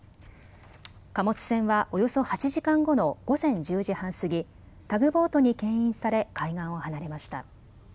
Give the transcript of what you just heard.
貨物船はおよそ８時間後の午前１０時半過ぎ、タグボートにけん引され海岸を離れました。